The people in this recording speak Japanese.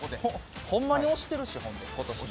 ほんまに押してるし、ほんで今年も。